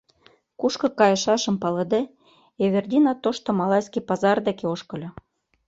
Кушко кайышашым палыде, Эвердина Тошто малайский пазар дене ошкыльо.